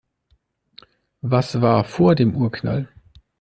Was war vor dem Urknall?